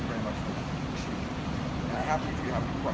ไม่ว่าจะเป็นเรื่องติดสินพิษต้องการเรือ